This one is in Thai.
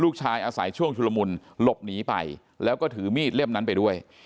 อาศัยช่วงชุลมุนหลบหนีไปแล้วก็ถือมีดเล่มนั้นไปด้วย